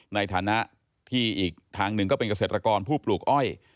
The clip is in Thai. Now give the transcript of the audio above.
ในฐานะที่อีกทางหนึ่งก็เป็นเกษตรกรผู้ปลูกอ้อย